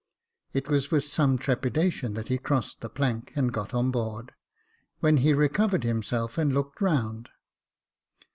It was with some trepidation that he crossed the plank, and got on board, when he recovered himself and looked round.